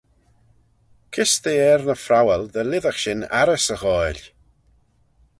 Kys t'eh er ny phrowal dy lhisagh shin arrys y ghoaill?